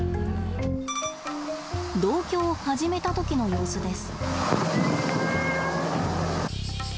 同居を始めた時の様子です。